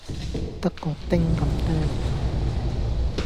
得果丁咁多零用